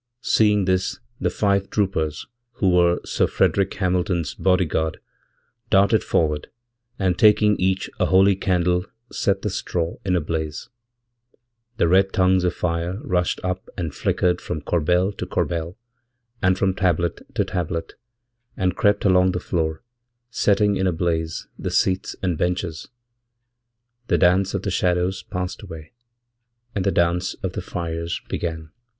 Seeing this, the five troopers who were Sir FrederickHamilton's body guard darted forward, and taking each a holy candleset the straw in a blaze. The red tongues of fire rushed up andflickered from corbel to corbel and from tablet to tablet, and creptalong the floor, setting in a blaze the seats and benches. The danceof the shadows passed away, and the dance of the fires began.